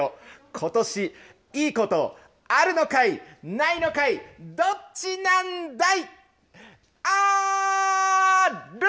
ことし、いいことあるのかい、ないのかい、どっちなんだい。